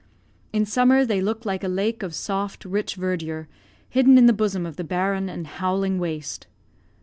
In summer they look like a lake of soft, rich verdure, hidden in the bosom of the barren and howling waste.